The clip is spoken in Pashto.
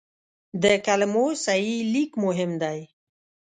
د کلمو صحیح لیک مهم دی.